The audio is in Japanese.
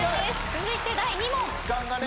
続いて第３問。